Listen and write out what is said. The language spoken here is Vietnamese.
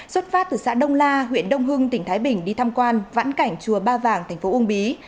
xuất phát từ xã đông la huyện đông hưng tỉnh thái bình đi thăm quan vãn cảnh chùa ba vàng tp ung bí